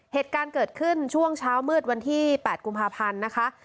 เหตุการณ์เกิดขึ้นช่วงเช้ามืดวันที่๘กุมภาพันธ์นะคะ